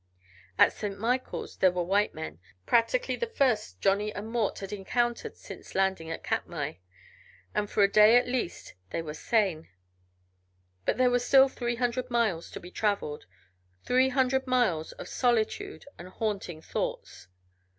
At St. Michaels there were white men, practically the first Johnny and Mort had encountered since landing at Katmai, and for a day at least they were sane. But there were still three hundred miles to be traveled, three hundred miles of solitude and haunting thoughts.